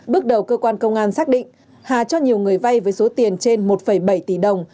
bước đầu cơ quan công an xác định hà cho nhiều người vay với số tiền trên một bảy tỷ đồng